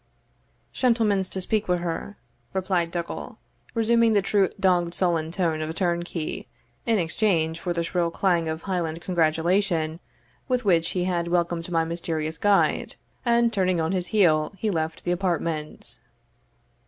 "Shentlemans to speak wi' her," replied Dougal, resuming the true dogged sullen tone of a turnkey, in exchange for the shrill clang of Highland congratulation with which he had welcomed my mysterious guide; and, turning on his heel, he left the apartment.